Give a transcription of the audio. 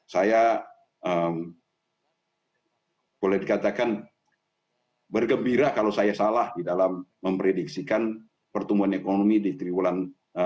saya boleh dikatakan bergembira kalau saya salah di dalam memprediksikan pertumbuhan ekonomi di triwulan